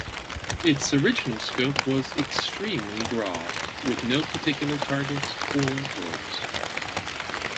Its original scope was extremely broad, with no particular targets or goals.